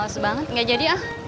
mas banget ga jadi ah